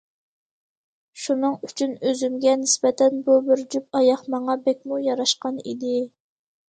شۇنىڭ ئۈچۈن ئۆزۈمگە نىسبەتەن بۇ بىر جۈپ ئاياق ماڭا بەكمۇ ياراشقان ئىدى.